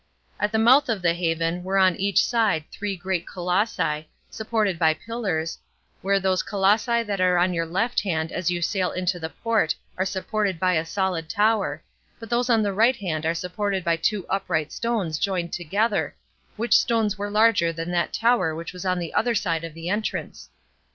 At the mouth of the haven were on each side three great Colossi, supported by pillars, where those Colossi that are on your left hand as you sail into the port are supported by a solid tower; but those on the right hand are supported by two upright stones joined together, which stones were larger than that tower which was on the other side of the entrance.